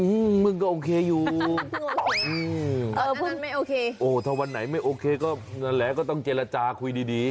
อื้อมึงก็โอเคอยู่อื้อถ้าวันไหนไม่โอเคก็นั่นแหละก็ต้องเจรจาคุยดี